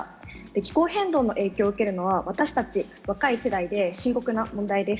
気候変動の影響を受けるのは、私たち若い世代で、深刻な問題です。